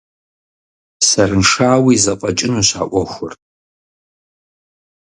Сэрыншэуи зэфӏэкӏынущ а ӏуэхур.